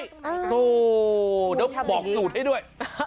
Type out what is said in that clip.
โหโดยบอกสูตรให้ด้วย